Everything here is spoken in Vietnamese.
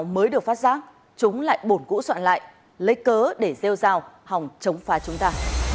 mới được phát giác chúng lại bổn cũ soạn lại lấy cớ để rêu rào hòng chống phá chúng ta